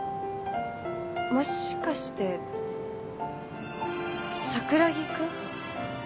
もしかして桜木くん？